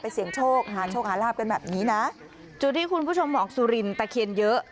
เสียงโชคหาโชคหาลาบกันแบบนี้นะจุดที่คุณผู้ชมบอกสุรินตะเคียนเยอะ